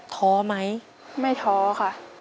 ท้อไหมไม่ท้อค่ะ